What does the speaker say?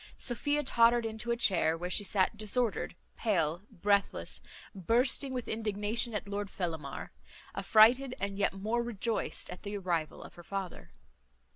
Sophia tottered into a chair, where she sat disordered, pale, breathless, bursting with indignation at Lord Fellamar; affrighted, and yet more rejoiced, at the arrival of her father.